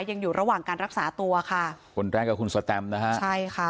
ยังอยู่ระหว่างการรักษาตัวค่ะคนแรกกับคุณสแตมนะฮะใช่ค่ะ